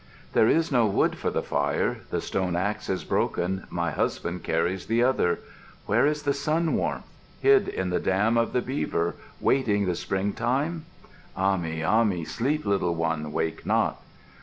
"There is no wood for the fire. The stone axe is broken, my husband carries the other. Where is the sun warmth? Hid in the dam of the beaver, waiting the spring time? Ahmi, Ahmi, sleep, little one, wake not!